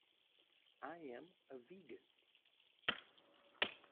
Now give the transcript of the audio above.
I am a vegan.